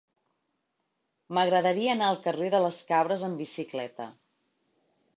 M'agradaria anar al carrer de les Cabres amb bicicleta.